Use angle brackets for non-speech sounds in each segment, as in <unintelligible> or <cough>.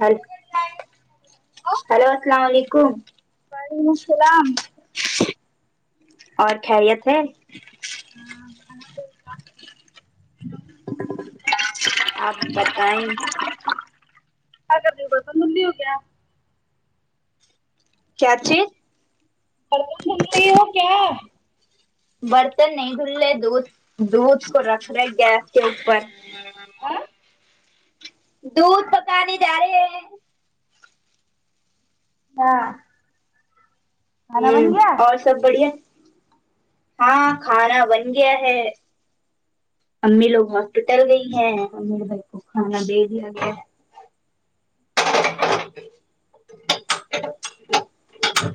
ہر <unintelligible> وعلیکم ہیلو السلام علیکم السلام اور خیریت ہے کیا آپ بتائیں کیا کر رہی ہو برتن دھل ری ہو کیا کیا چیز برتن دھل رہی ہو کیا برتن نہیں دھل رہے دودھ دودھ کو رکھ رہے گیس کے اوپر ار ن <unintelligible> دودھ پکانے جا رہے ہیں اچھا ہمم اور سب بڑھیا ہاں کھانا بن گیا ہے امی لوگ ہسپتٹل گئی ہیں امیرے بھائی کو کھانا دے دیا گیا ہے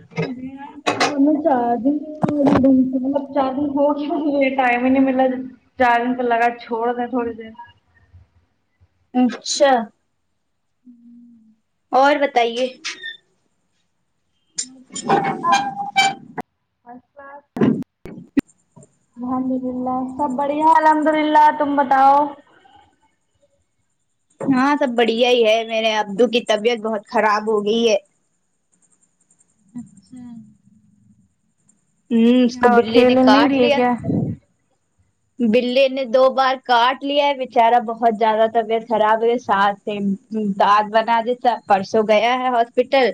<unintelligible> میرے فون میں چارجنگ نہیں ہو رہی ڈھنگ سے مطلب چالو ہو کیوں نہیں ٹائم ہی نہیں ملا چارجنگ پے لگا چھوڑ دیں تھوڑی دیر اچھا آمم اور بتائیے <unintelligible> <unintelligible> الحمد للہ سب بڑھیا الحمد للہ تم بتاؤ ہاں سب بڑھیا ہی ہے میرے ابدو کی طبیعت بہت خراب ہو گئی ہے اچھا ہمم اس کو ہوا بلے کھیل نے ول نہیں کاٹ رہی ہے لیا کیا بلے نے دو بار کاٹ لیا ہے بچارا بہت زیادہ طبیعت خراب ہے ساس دات بنا دیتا پرسوں گیا ہے ہسپٹل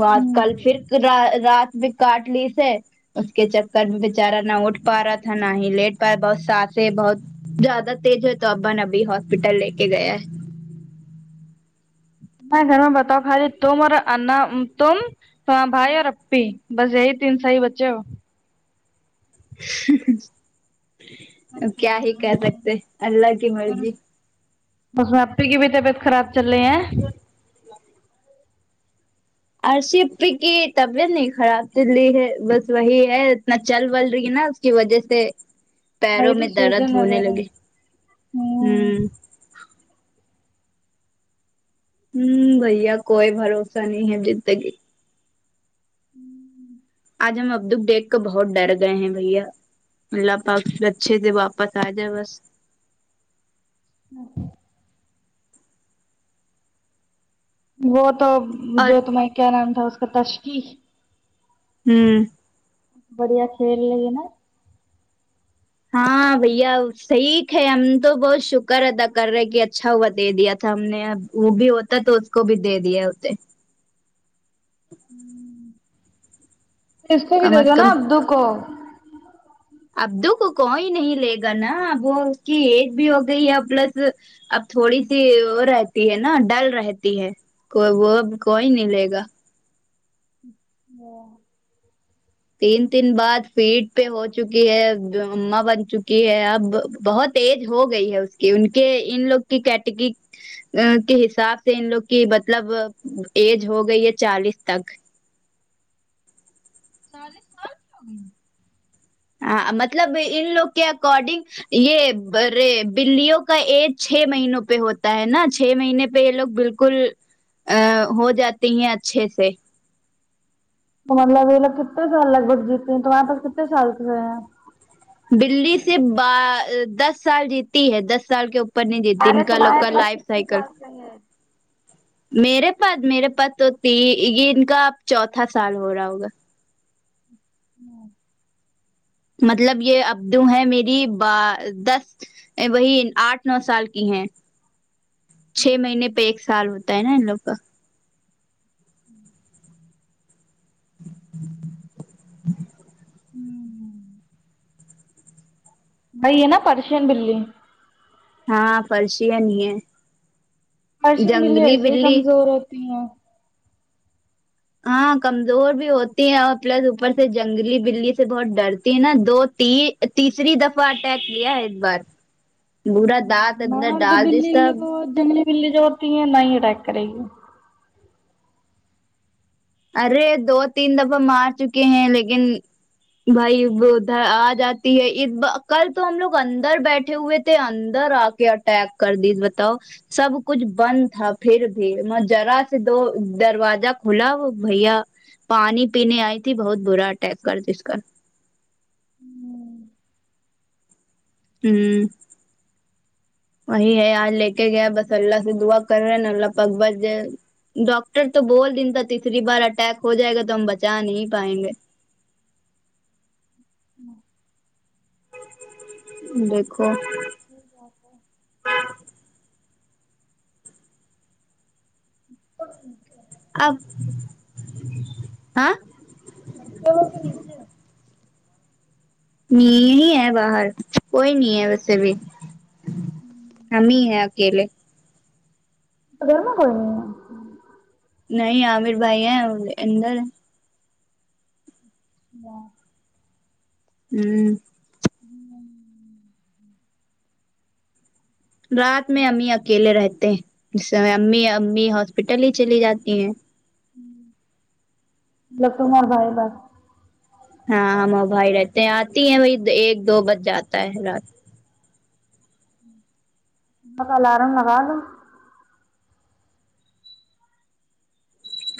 وہاں کل پھر کرا رات میں کارٹ لی سے اس کے چکر میں بیچارہ نہ اٹھ پا رہا تھا نہیں لیٹ پارا بہت سانسیں بہت زیادہ تیز ہے تو ابا نے ابھی ہاسپٹل لے کے گیا ہے تمہارے گھر میں بتاؤ خالی تم اور اننم تم ہاں بھائی اور اپی بس یہی تین صحیح بچے ہو اب کیا ہی کہہ سکتے اللہ کی مرضی پرسوں اپی کی بھی طبیعت خراب چل رہی ہے ارشی اپی کی طبیعت نہیں خراب چل رہی ہے بس وہی ہے اتنا چل ول رہی ہے نا کی وجہ سے پیروں وہی تو میں درد سوجن ہونے وغیرہ ہوں لگے ہمم ہمم بھیا کوئی بھروسہ نہیں ہے زندگی کا آمم آج ہم ابدو کو دیکھ کو بہت ڈر گئے ہیں بھیا اللہ پاک پھر اچھے سے واپس آ جائے بس <inaudible> وہ تو اور جو تمہیں کیا نام تھا اس کا تشکی ہمم بڑھیا کھیلی ہے نا ہاں بھیا وہ صحیح تھے ہم تو بہت شکر ادا کر رہے کی اچھا ہوا دے دیا تھا ہم نے اب وہ بھی ہوتا تو اس کو بھی دے دیا ہوتے اس کو کم دے از دو نا کم ابدو کو ابدو کو کوئی نہیں لے گا نہ وہ اسکی ایج بھی ہو گئی ہے پلس اب تھوڑی سی وہ رہتی ہے نا ڈل رہتی ہے کوئی وہ اب کوئی نہیں لے گا ہاں تین تین بعد فیڈ پے ہو چکی ہے اما بن چکی ہے اب بہت ایج ہو گئی ہے اس کی ان کے ان لوگ کی کیٹیگری آ کے حساب سے ان لوگ کی مطلب ایج ہو گئی ہے چالیس تک سارے <unintelligible> ہاں مطلب ان لوگ کے اکارڈنگ یہ ارے بلیوں کا ایج چھ مہینوں پہ ہوتا ہے نا چھ مہینے پہ یہ لوگ بالکل ہو جاتی ہیں اچھے سے تو مطلب یہ لوگ کتنے سال لگ بگ جیتے ہیں تمہارے پاس کتنے سال سے ہیں بلی صرف ب دس سال جیتی ہے دس سال کے اوپر پ نہیں دیتی ان کا لوگ کال لائف سائیکل میرے پاس میرے پاس تو ت یہ ان کا اب چوتھا سال ہو رہا ہوگا ہوں مطلب یہ ابدو ہے میری ب دس وہی آٹھ نو سال کی ہیں چھ مہینے پہ ایک سال ہوتا ہے نا ان لوگ کا ہوں ہممم وہی ہے نا پرشین بلی ہاں پرشین ہے برشین بلی ایسے ہی کمزور ہوتی ہیں ہاں کمزور بھی ہوتی ہے اور پلس اوپر سے جنگلی بلی سے بہت ڈرتی ہے نا دو تین تیسری دفعہ اٹیک کیا ہے ایک بار با دانت اندر مرد ڈال دے بلی سب بہت جنگلی بلی جوڑتی ہے نہ ہی اٹیک کرے گی ارے دو تین دفعہ مار چکے ہیں لیکن بھائی وہ ادھر آ جاتی ہے ب کل تو ہم لوگ اندر بیٹھے ہوئے تھے اندر آ کے اٹیک کر دی بتاؤ سب کچھ بند تھا پھر بھی میں جرا سے دو دروازہ کھلا وہ بھیا پانی پینے آئی تھی بہت برا اٹیک کر اس کا ہوں وہی ہے آج لے کے گیا بس اللہ سے دعا کر رہے ہیں نا اللہ پاک بچ جائے ڈاکٹر تو بول دن تھا تیسری بار اٹیک ہو جائے گا تو ہم بچا نہیں پائیں گے دیکھو ٹھیک ہے ایسے آب ہاں <unintelligible> کے نہیںچے نہیں ہی ہے باہر کوئی نہیں ہے ویسے بھی ہمی ہے اکیلے گھرمیں کوئی نہیں ہے نہیں عامر بھائی ہیں اندر ہ <unintelligible> ہوں رات میں ہمہی اکیلے رہتے ہیں اسے امی امی ہاسپٹل ہی چلی جاتی ہیں مطلب <unintelligible> تومار بائی ہاں ہم وہ بھائی رہتے ہیں آتی ہیں وہی ایک دو بج جاتا ہے رات کا الارم لگا لو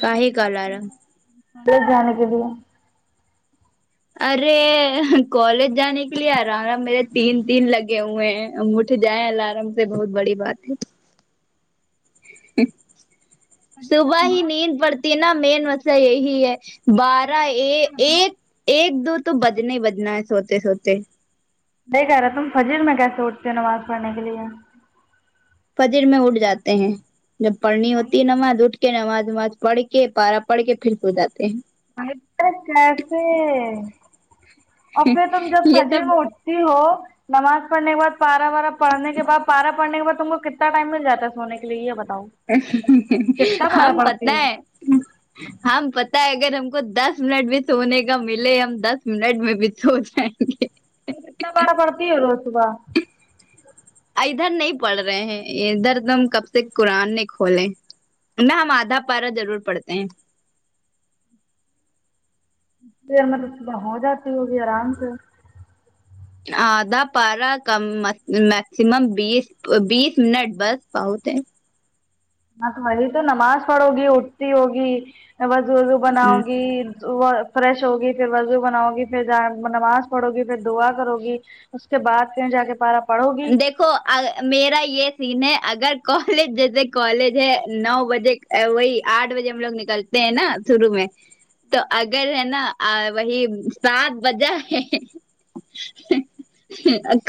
کا ہے کا الارم لے جانے کے لیے ارے کالج جانے کے لیے الارم ہے نا میرے تین تین لگے ہوئے ہیں اٹھ جائیں الارم سے بہت بڑی بات ہے ہ صبح ہی نیند پڑتی نا مین مسئلہ یہی ہے بارہ ا ایک ایک دو تو بجنے ہی بجنا ہے سوتے سوتے نہیں کہہ رہا تم فجر میں کیسے اٹھتے ہو نماز پڑھنے کے لیے فجر میں اٹھ جاتے ہیں جب پڑھنی ہوتی ہے نماز اٹھ کے نماز وماز پڑھ کے پارا پڑھ کے پھر سو جاتے ہیں ایسا کیسے اور پھر تم جب یہ فجر سب میں اٹھ تی ہو نماز پڑھنے بعد پارہ وارا پڑھنے کے بعد پارا پڑنے کے بعد تم کو کتنا ٹائم مل جاتا ہے سونے کے لیے یہ بتاؤ کتنا ہاں پارا ہمیں پڑتی پتا ہو ہے ہاں ہمیں پتا ہے اگر ہم کو دس منٹ بھی سونے کا ملے ہم دس منٹ میں بھی سو جائیں گے کے کتنا پارہ پڑھتی ہے روز صبح ادھر نہیں پڑھ رہے ہیں ادھر تم کب سےکی قرآن نہیں کھولے ورنہ ہم آدھا پارہ ضرور پڑھتے ہیں دیر مطلب صبح ہو جاتی ہوگی آرام سے آدھا پارہ کم میکسمم بیس بیس منٹ بس بہت ہے ہاں تم ابھی تو نماز پڑھو گی اٹھتی ہوگی وضو وضو بناؤ گی وہ فریش ہوگی پھر وضو بناؤ گی پھر نماز پڑھو گی پھر دعا کرو گی اس کے بعد پھر جا کے پارہ پڑو گی دیکھو میرا یہ سین ہے اگر کالج جیسے کالج ہے نو بجے وہی آٹھ بجے ہم لوگ نکلتے ہیں نا شروع میں تو اگر ہے نا وہی سات بجہ ہے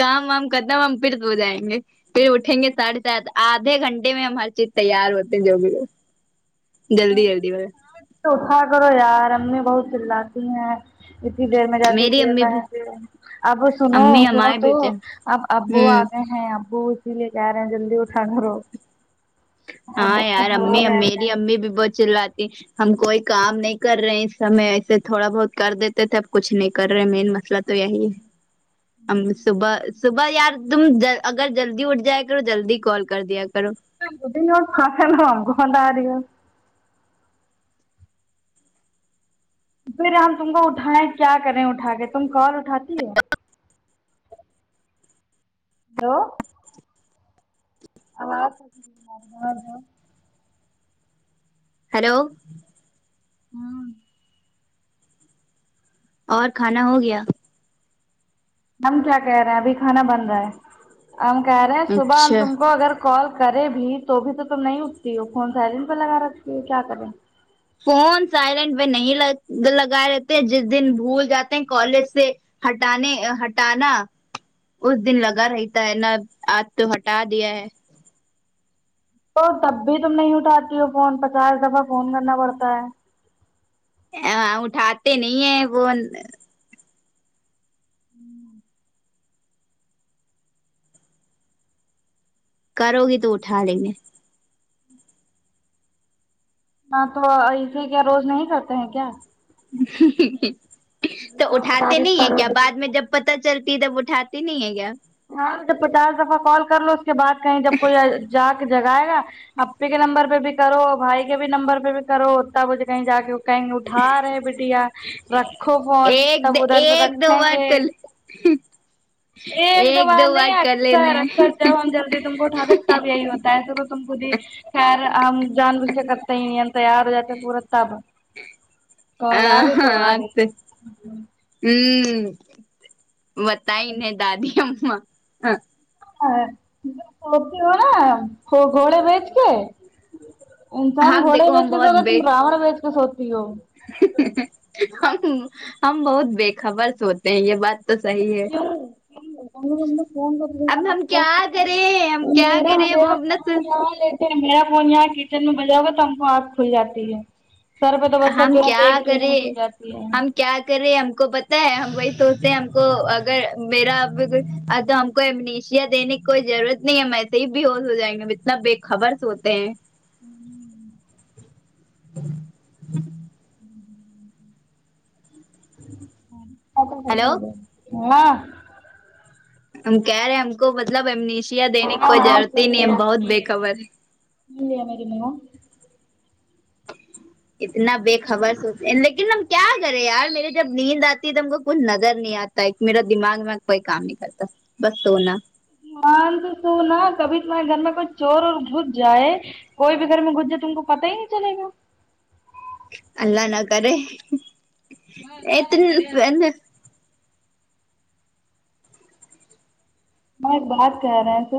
کام وام ختم ہم پھر تو ہو جائیں گے پھر اٹھیں گے ساڈھے سات آدھے گھنٹے ہم ہر چیز تیار ہوتے ہیں جو بھی ہو جلدی جلدی میں تو اٹھا کرو یار امی بہت چلاتی ہیں اتنی دیر میں جاتی تھی میری امی میں بھی <unintelligible> اب سنو امی سنو ہمارے تو بیٹے اب ابو آ ہوں گئے ہیں ابو اسی لے کہہ رہے ہیں جلدی اٹھانا روز ہاں یار امی میری امی بھی بہت چلاتی ہم کوئی کام نہیں کر رہے ہیں اس سامےایسے تھوڑا بہت کر دیتے تھے اب کچھ نہیں کر رہے مین مسلہ تو یہی ہے صبح صبح یار تم اگر جلدی اٹھ جایا کرو جلدی کال کر دیا کرو <unintelligible> پھر ہم تم کو اٹھائیں کیا کریں اٹھا کے تم کال اٹھاتی ہو ہیلو آواز <unintelligible> ہیلو ہاں اور کھانا ہو گیا ہم کیا کہہ رہے ہیں ابھی کھانا بن رہا ہے ہم کہہ رہے ہیں صبح ہم اچھا تم کو اگر کال کرے بھی تو بھی تو تم نہیں اٹتی ہو فون سیلنٹ پہ لگا رکھتی ہو کیا کریں فون سائلینٹ میں نہیں لگائے رہتے ہیں جس دن بھول جاتے ہیں کالج سے ہٹانے ہٹانا اس دن لگا رہتا ہے نا آج تو ہٹا دیا ہے تو تب بھی تم نہیں اٹھاتی ہو فون پچاس دفع فون کرنا پڑتا ہے آ اٹھاتے نہیں ہیں فون ھمم کرو گی تو اٹھا لیں گے ہاں تو ایسے کیا روز نہیں کرتے ہیں کیا تو اٹھاتے نہیں ہیں کیا بعد میں جب پتا چلتی تب اٹھاتی نہیں ہے کیا ہاں تو پچاس دفعہ کال کر لو اس کے بعد کہیں جب کوئی جا جگاائے گا اپپی کے نمبر پہ بھی کرو بھائی کے بھی نمبر پہ بھی کرو تب اٹھ کہیں جا کے کہیں گے اٹھا رہے بیٹیا رکھو فون تب ادھر سے رکھیں گے ہ ایک دو بار نہیں اکثر لینے اکثر جب ہم جلدی تم کو اٹھاتے تب یہی ہوتا ہےصبح تم کو دیکھ خیر ہم جان بوھ کے کرتے ہی نہیں تیار ہو جاتے پورا تب کال اگئی تو ہاں اگئی ہوں بتاان دادی اما سوتی ہو نا گھوڑے بیج کے انسان ہم گھوڑے دیکھو بیچ ہم کے سو گا بہت تم بے راوون بیچ کے سوتی ہو ہم ہم بہت بے خبر سوتے یہ بات تو صحیح ہے فون کر اب میرا ہم ما ف کیا کریں ہم <unintelligible> کیا کریں وہ اپنا میرا فون یہاں کچن میں بجا ہو گا تو ہم کو آنکھ کھل جاتی ہے سر پہ تو بچتا ہم ترنت میں کھل جاتی ہے ہم کیا کرے ہم کو پتا ہے ہم وہی سوچتے ہیں ہم کو اگر میرا تو ہم کو امنیشیا دینے کی کوئی ضرورت نہیں ہے ہم ایسے ہی بےہوش ہو جائیں گے ہم اتنا بے خبر سوتے ہیں ہوں ہیلو ہ <unintelligible> ہم کہہ رہے ہیں ہم کو مطلب امنشیا دینے کی کوئی ضرورت ہی نہیں ہم بہت بے خبر ہے <unintelligible> الیا مری م اتنا بے خبر سوتے ہیں لیکن ہم کیا کرے یار میرے جب نیند آتی ہے تو ہم کو کچھ نظر نہیں آتا ایک میرا دماغ میں کوئی کام نہیں کرتا بس سونا مان تو سنا کبھی تمہارے گھر میں کوئی چور ور گھس جائے کوئی بھی گھر میں گھس جائے تم کو پتا ہی نہیں چلے گا اللہ نہ کرے <unintelligible> ات میں ایک بات کہہ رہے تھے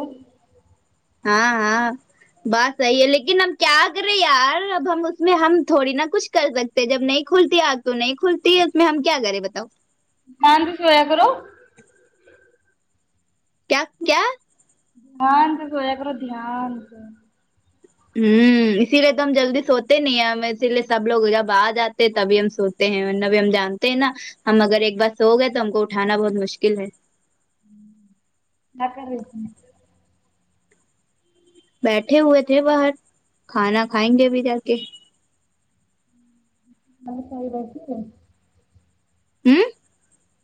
ہاں ہاں بات صحیح ہے لیکن ہم کیا کرے یار اب ہم اس میں ہم تھوڑی نا کچھ کر سکتے جب نہیں کھلتی آنکھ تو نہیں کھلتی ہے اس میں ہم کیا کریںے بتاؤ مان بھی سویا کرو کیا کیا دھیان سے سویا کرو دھیان سے ہوں اسی لیے تو ہم جلدی سوتے نہیں ہیں ہم اسی لیے سب لوگ جب آ جاتے تبھی ہم سوتے ہیں ورنہ بھی ہم جانتے ہیں نا ہم اگر ایک بار سو گئے تو ہم کو اٹھانا بہت مشکل ہے ہمم کیا کر رہی تھی بیٹھے ہوئے تھے باہر کھانا کھائیں گے بھی جا کے باں پاہ رہا کہ <unintelligible> ہوں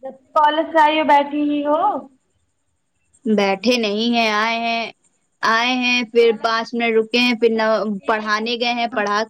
جب کالج سے آئی ہو بیٹھی ہی وہ بیٹھے نہیں ہیں آئے ہیں آئے ہیں پھر پانچ منٹ رکے ہیں پھر پڑھانے گئے ہیں پڑھا